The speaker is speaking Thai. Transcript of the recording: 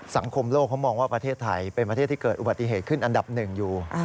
สังคมโลกเขามองว่าประเทศไทยเป็นประเทศที่เกิดอุบัติเหตุขึ้นอันดับหนึ่งอยู่